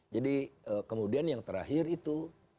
jadi kemudian yang terakhir itu